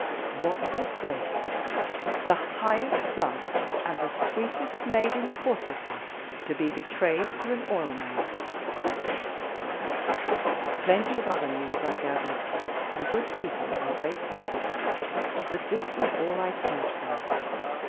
What disgrace! The highest blood and the sweetest maid in Corsica, to be betrayed to an oilman! Plenty of other news I gathered the good people are great gossips but this was all I cared for.